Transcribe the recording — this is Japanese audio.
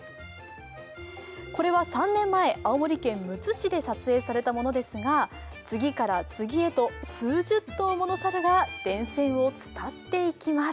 これは３年前、青森県むつ市で撮影されたものですが次から次へと数十頭もの猿が電線を伝っていきます。